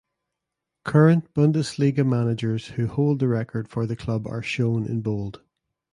Current Bundesliga managers who hold the record for the club are shown in bold.